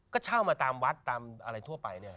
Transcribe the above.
ก็เช่ามาตามวัดตามอะไรทั่วไปเนี่ย